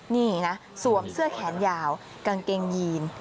นี่นะสวมเสื้อแขนยาวกางเกงยีน